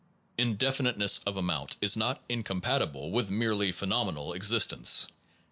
Indefiniteness of amount is not incompatible with merely phenomenal existence.